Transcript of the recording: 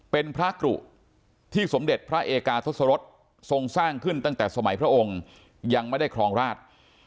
เป็นพระกรุที่สมเด็จพระเอกาทศรษทรงสร้างขึ้นตั้งแต่สมัยพระองค์ยังไม่ได้ครองราช